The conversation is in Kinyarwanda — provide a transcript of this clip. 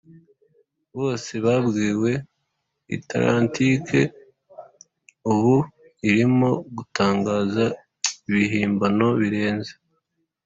bose babwiwe, atlantike ubu irimo gutangaza ibihimbano birenze